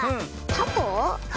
タコ？